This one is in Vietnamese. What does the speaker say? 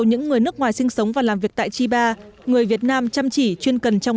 những người nước ngoài sinh sống và làm việc tại chiba người việt nam chăm chỉ chuyên cần trong